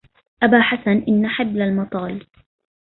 أبا حسن إن حبل المطال